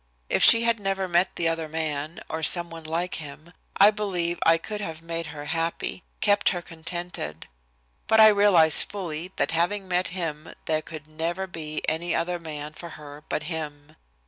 If she had never met the other man, or some one like him, I believe I could have made her happy, kept her contented. But I realize fully that having met him there could never be any other man for her but him.